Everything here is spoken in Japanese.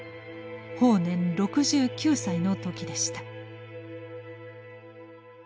法然６９歳の時でした。